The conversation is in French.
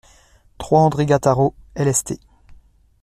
trois André Gattaro, Ist.